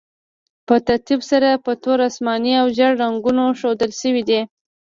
په ترتیب سره په تور، اسماني او ژیړ رنګونو ښودل شوي دي.